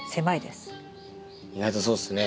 意外とそうっすね。